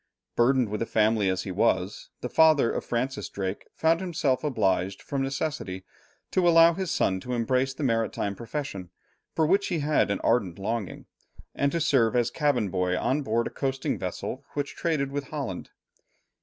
Burdened with a family as he was, the father of Francis Drake found himself obliged from necessity to allow his son to embrace the maritime profession, for which he had an ardent longing, and to serve as cabin boy on board a coasting vessel which traded with Holland.